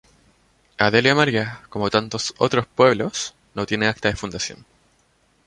Adelia María, como tantos otros pueblos, no tiene acta de fundación.